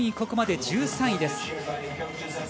ここまで１３位です。